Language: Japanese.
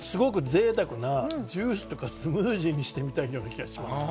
すごく贅沢なジュースとかスムージーにしてみたい感じがします。